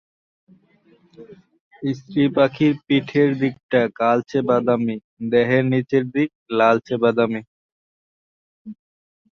স্ত্রী পাখির পিঠের দিকটা কালচে বাদামি, দেহের নিচের দিক লালচে বাদামি।